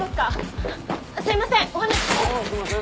すいません！